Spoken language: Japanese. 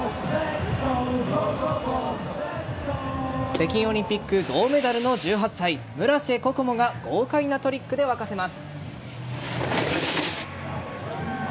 北京オリンピック銅メダルの１８歳村瀬心椛が豪快なトリックで沸かせます。